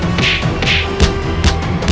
kau tidak bisa menang